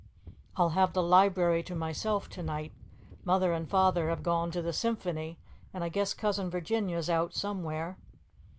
"I'll have the library to myself to night. Mother and Father have gone to the Symphony, and I guess Cousin Virginia's out somewhere."